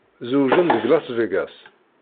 Zewǧen deg Las Vegas.